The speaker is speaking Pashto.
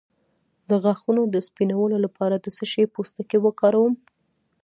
د غاښونو د سپینولو لپاره د څه شي پوستکی وکاروم؟